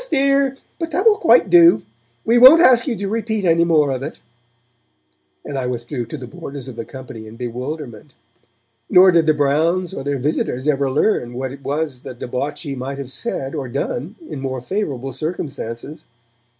dear, but that will quite do! We won't ask you to repeat any more of it,' and I withdrew to the borders of the company in bewilderment. Nor did the Browns or their visitors ever learn what it was the debauchee might have said or done in more favourable circumstances.